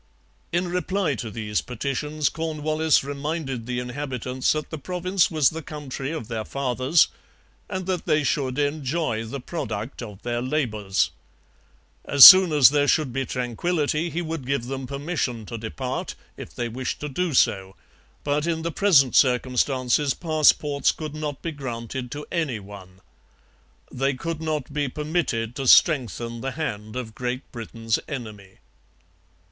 In reply to these petitions Cornwallis reminded the inhabitants that the province was the country of their fathers, and that they should enjoy the product of their labours. As soon as there should be tranquillity he would give them permission to depart, if they wished to do so; but in the present circumstances passports could not be granted to any one. They could not be permitted to strengthen the hand of Great Britain's enemy.